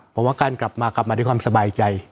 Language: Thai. เพราะว่าการกลับมากลับมาด้วยความสบายใจ